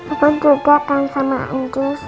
apa kagetan sama ancus